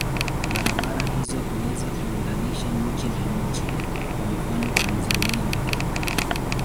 Barabara hizo huweza kuunganisha nchi na nchi, kwa mfano Tanzania na Kenya.